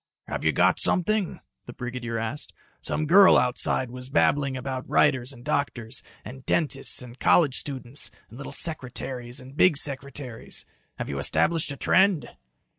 "Have you got something?" the brigadier asked. "Some girl outside was babbling about writers and doctors, and dentists and college students, and little secretaries and big secretaries. Have you established a trend?"